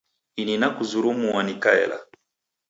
Ini nakuzurumua nikaela.